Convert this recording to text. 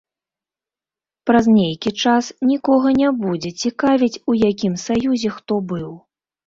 Праз нейкі час нікога не будзе цікавіць, у якім саюзе хто быў.